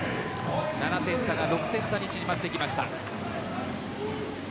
７点差が６点差に縮まってきました。